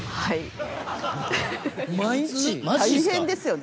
大変ですよね。